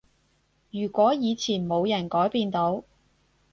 如果以前冇人改變到